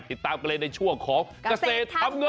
ติดตามกันเลยในช่วงของเกษตรทำเงิน